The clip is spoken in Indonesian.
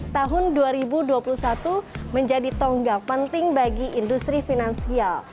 tahun dua ribu dua puluh satu menjadi tonggak penting bagi industri finansial